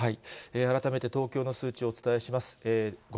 改めて東京の数値をお伝えします。